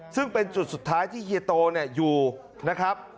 ซึ่งเป็นจุดสุดท้ายที่เฮียโตอยู่นะครับ